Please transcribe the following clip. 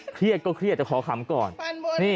เครียดก็เครียดแต่ขอขำก่อน